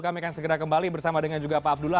kami akan segera kembali bersama dengan juga pak abdullah